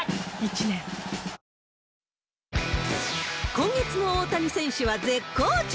今月の大谷選手は絶好調。